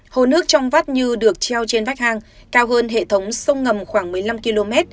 hồ nước trong vắt như được treo trên vách hang cao hơn hệ thống sông ngầm khoảng một mươi năm km